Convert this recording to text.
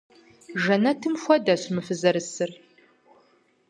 Жэнэтым хуэдэщ мы фызэрысыр.